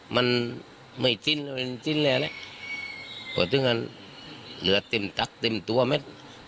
มันไม่จิ้นเลยนะไปทึกงานเหลือเต็มตรักเต็มตัวเมล็ด